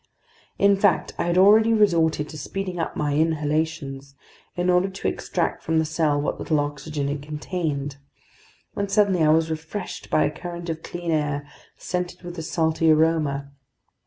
In fact, I had already resorted to speeding up my inhalations in order to extract from the cell what little oxygen it contained, when suddenly I was refreshed by a current of clean air, scented with a salty aroma.